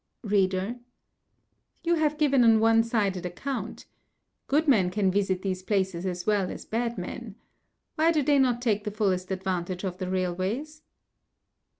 READER: You have given an one sided account. Good men can visit these places as well as bad men. Why do they not take the fullest advantage of the railways?